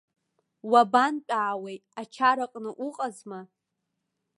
Уабантәаауеи, ачараҟны уҟазма?